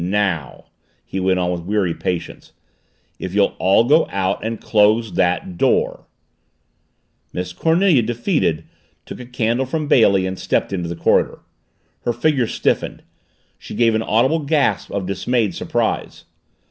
Now " he went on with weary patience, "if you'll all go out and close that door " Miss Cornelia, defeated, took a candle from Bailey and stepped into the corridor. Her figure stiffened. She gave an audible gasp of dismayed surprise.